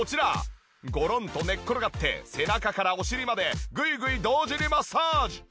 ごろんと寝っ転がって背中からお尻までグイグイ同時にマッサージ。